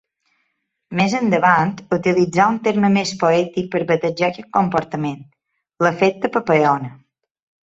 Més endavant, utilitzà un terme més poètic per batejar aquest comportament: l'efecte papallona.